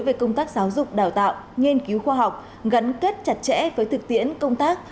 về công tác giáo dục đào tạo nghiên cứu khoa học gắn kết chặt chẽ với thực tiễn công tác